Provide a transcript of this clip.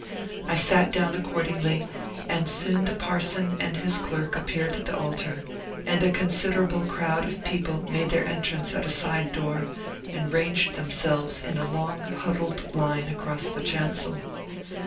I sat down accordingly, and soon the parson and his clerk appeared at the altar, and a considerable crowd of people made their entrance at a side door, and ranged themselves in a long, huddled line across the chancel.